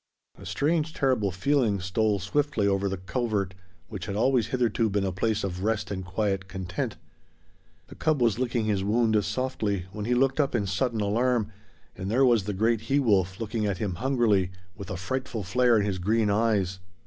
A strange, terrible feeling stole swiftly over the covert, which had always hitherto been a place of rest and quiet content. The cub was licking his wound softly when he looked up in sudden alarm, and there was the great he wolf looking at him hungrily, with a frightful flare in his green eyes.